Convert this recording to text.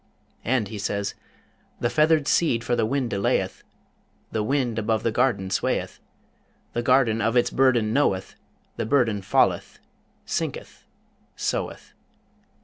And he says: "The feathered seed for the wind delayeth, The wind above the garden swayeth, The garden of its burden knoweth, The burden falleth, sinketh, soweth."'